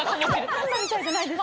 パンダみたいじゃないですか。